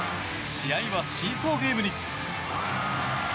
試合はシーソーゲームに。